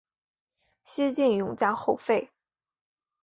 西晋永嘉后废。